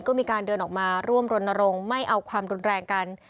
ก็มีการเดินออกมาร่วมรณรงค์ไม่เอาความรุนแรงกัน